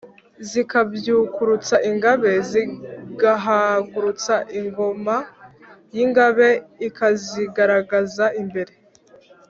zikabyukurutsa ingabe: zigahagurutsa ingoma y’ingabe ikazirangaza imbere